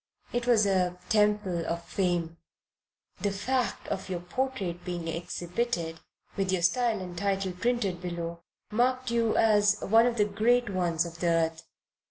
It was a Temple of Fame. The fact of your portrait being exhibited, with your style and title printed below, marked you as one of the great ones of the earth.